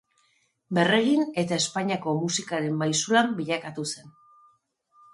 Berregin eta Espainiako musikaren maisulan bilakatu zen.